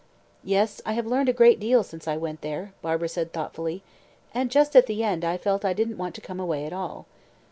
"Yes, I have learned a great deal since I went there," Barbara said thoughtfully; "and just at the end I felt I didn't want to come away at all."